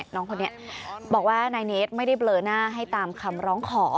น้องคนนี้บอกว่านายเนสไม่ได้เบลอหน้าให้ตามคำร้องขอ